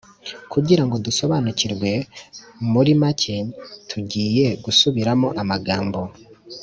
kugira ngo dusobanukirwe muri muri make tugiye gusubiramo amagambo